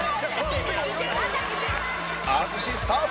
淳スタート